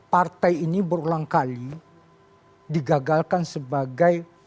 partai ini berulang kali digagalkan sebagai